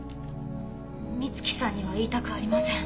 美月さんには言いたくありません。